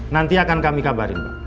nanti akan kami kabarin pak